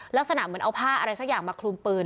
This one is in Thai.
ลักษณะเหมือนเอาผ้าอะไรสักอย่างมาคลุมปืน